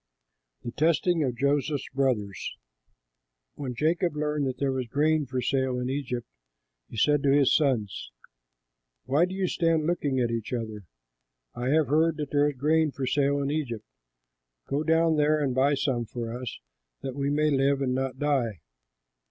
THE TESTING OF JOSEPH'S BROTHERS When Jacob learned that there was grain for sale in Egypt, he said to his sons, "Why do you stand looking at each other? I have heard that there is grain for sale in Egypt; go down there and buy some for us, that we may live and not die."